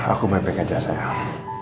aku baik baik aja saya